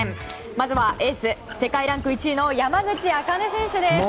まずはエース、世界ランク１位の山口茜選手です。